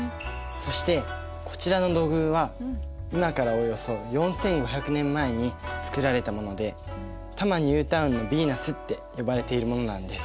そしてこちらの土偶は今からおよそ４，５００年前に作られたもので多摩ニュータウンのヴィーナスって呼ばれているものなんです。